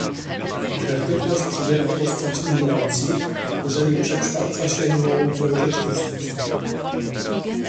Kreatywność przybiera postać innowacji, jeżeli przekształca się ją w rzeczywistość